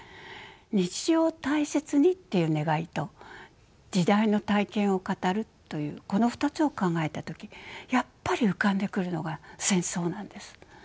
日常を大切にっていう願いと時代の体験を語るというこの２つを考えた時やっぱり浮かんでくるのが戦争なんです。